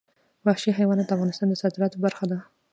وحشي حیوانات د افغانستان د صادراتو برخه ده.